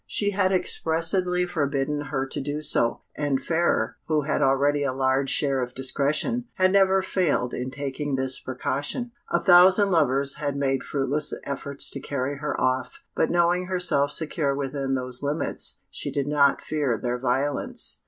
She had expressly forbidden her to do so, and Fairer, who had already a large share of discretion, had never failed in taking this precaution. A thousand lovers had made fruitless efforts to carry her off; but knowing herself secure within those limits, she did not fear their violence.